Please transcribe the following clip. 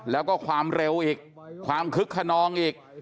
แล้วก็ความเร็วอีกความคึกขนองอีก